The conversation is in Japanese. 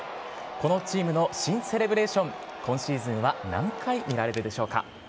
このチームの新セレブレーション、今シーズンは何回見られるでしょうか。